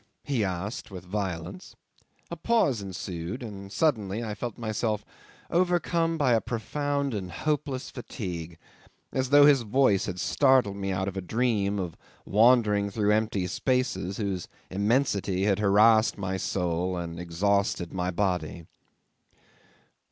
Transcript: he asked with violence. A pause ensued, and suddenly I felt myself overcome by a profound and hopeless fatigue, as though his voice had startled me out of a dream of wandering through empty spaces whose immensity had harassed my soul and exhausted my body.